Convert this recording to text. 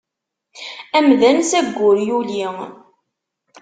Amdan s aggur yuli.